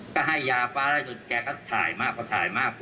ก็ให้ยาฟ้าล่าสุดแกก็ถ่ายมากพอถ่ายมาก